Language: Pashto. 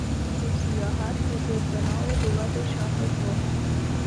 د سیاحت د زیربناوو د ودې شاهد و.